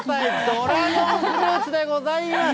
ドラゴンフルーツでございます。